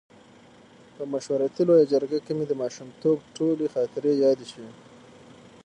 په مشورتي لویه جرګه کې مې د ماشومتوب ټولې خاطرې یادې شوې.